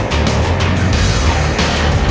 saya pas ala sekolah